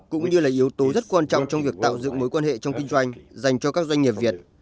cũng như là yếu tố rất quan trọng trong việc tạo dựng mối quan hệ trong kinh doanh dành cho các doanh nghiệp việt